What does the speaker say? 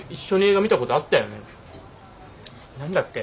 何だっけ？